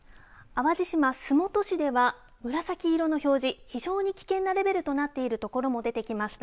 洲本市では紫色の表示非常に危険なレベルとなっている所も出てきました。